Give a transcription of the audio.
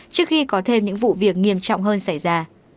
trước khi có thêm những vụ việc nghiêm trọng hơn xảy ra